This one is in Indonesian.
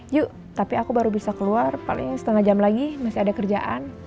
yuk tapi aku baru bisa keluar paling setengah jam lagi masih ada kerjaan